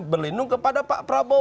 berlindung kepada pak prabowo